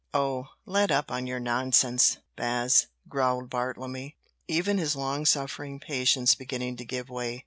"Oh, let up on your nonsense, Bas," growled Bartlemy, even his long suffering patience beginning to give way.